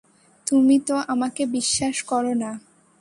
তুমি তো আমাকে বিশ্বাস করো না।